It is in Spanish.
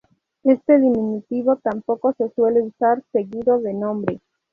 Este diminutivo tampoco se suele usar seguido de nombre.